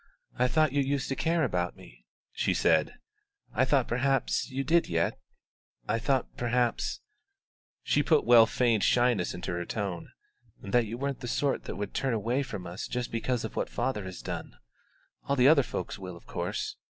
"I thought you used to care about me," she said; "I thought perhaps you did yet; I thought perhaps" she put well feigned shyness into her tone "that you weren't the sort that would turn away from us just because of what father has done. All the other folks will, of course.